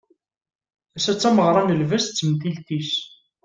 Ass-a d tameɣra n lbaz d temtilt-is